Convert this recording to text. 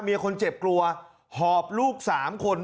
คนเจ็บกลัวหอบลูก๓คน